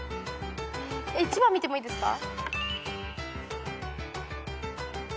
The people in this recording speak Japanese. １番見てもいいですか？